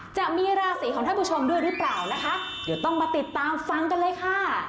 จะมีราศีของท่านผู้ชมด้วยหรือเปล่านะคะเดี๋ยวต้องมาติดตามฟังกันเลยค่ะ